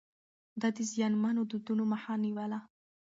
ده د زيانمنو دودونو مخه نيوله.